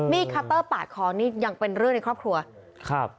คัตเตอร์ปาดคอนี่ยังเป็นเรื่องในครอบครัวครับ